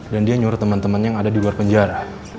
dan dia nyuruh teman teman yang ada di luar penjara